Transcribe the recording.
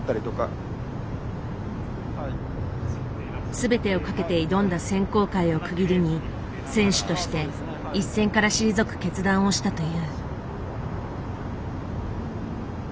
全てを懸けて挑んだ選考会を区切りに選手として一線から退く決断をしたという。